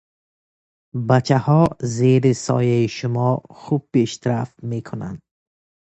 بچه ها زیر سایه شما خوب پیشرفت می کنند.